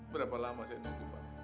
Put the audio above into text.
berapa lama saya tentukan